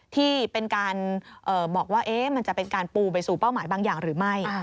ที่เป็นการบอกว่ามันจะเป็นการปูไปสู่เป้าหมายบางอย่างหรือไม่